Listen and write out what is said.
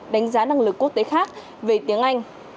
đánh giá năng lực quốc tế khác về tiếng anh